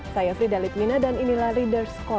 saya frida litmina dan inilah reader's corner